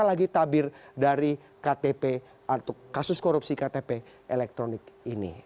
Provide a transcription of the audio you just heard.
apa lagi tabir dari ktp atau kasus korupsi ktp elektronik ini